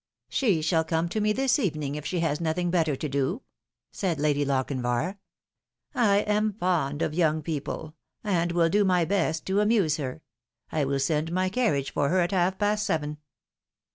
" She shall come to me this evening, if she has nothing better to do," said Lady Lochinvar. " I am fond of young people, and will do my best to amuse her. I will send my carriage for her at half past seven."